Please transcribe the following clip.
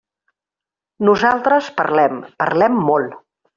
Nosaltres parlem, parlem molt.